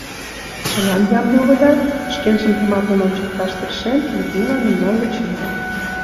— Чылан ямде улыда? — шкенжым тыматлын ончыкташ тыршен, Людмила мемнан деч йодо.